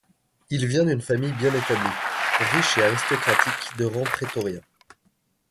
Il vient d'une famille bien établie, riche et aristocratique de rang prétorien.